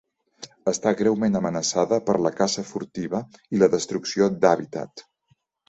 Està greument amenaçada per la caça furtiva i la destrucció d'hàbitat.